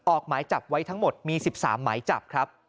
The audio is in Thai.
ออกหมายจับไว้ทั้งหมดมี๑๓หมายจับครับ